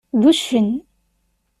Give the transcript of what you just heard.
D uccen.